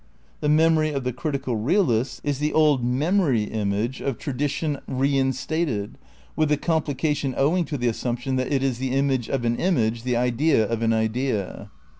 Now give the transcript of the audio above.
The memory of the critical realists is the old memory image of tradition reinstated, with a complication ow ing to the assumption that it is the image of an image, the idea of an idea.